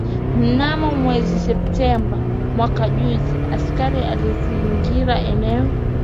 mnano mwezi septemba mwaka juzi askari walizingira eneo